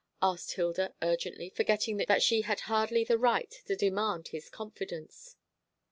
asked Hilda urgently, forgetting that she had hardly the right to demand his confidence.